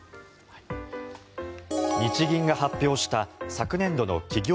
日銀が発表した昨年度の企業